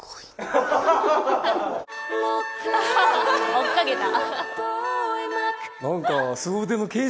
追っ掛けた！